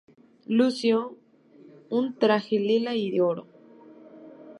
Lució un traje lila y oro.